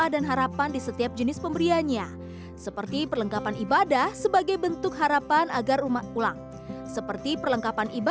dan siap bertanggung jawab